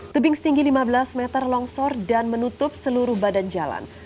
tebing setinggi lima belas meter longsor dan menutup seluruh badan jalan